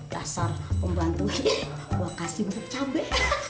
dasar pembantu gue kasih untuk cabai